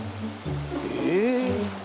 え？